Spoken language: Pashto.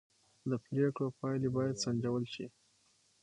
د پرېکړو پایلې باید سنجول شي